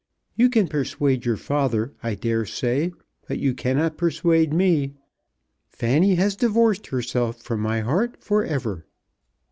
You can persuade your father, I dare say, but you cannot persuade me. Fanny has divorced herself from my heart for ever."